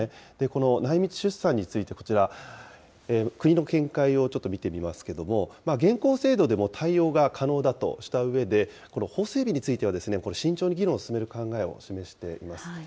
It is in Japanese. この内密出産についてこちら、国の見解をちょっと見てみますけれども、現行制度でも対応が可能だとしたうえで、法整備については、これ、慎重に議論する考えを示しています。